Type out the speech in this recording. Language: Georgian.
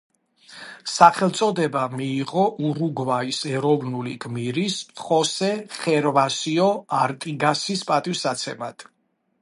სახელწოდება მიიღო ურუგვაის ეროვნული გმირის ხოსე ხერვასიო არტიგასის პატივსაცემად.